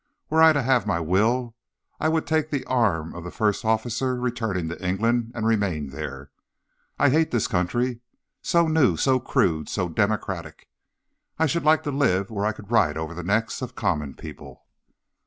Were I to have my will, I would take the arm of the first officer returning to England and remain there. I hate this country, so new, so crude, so democratic! I should like to live where I could ride over the necks of common people.'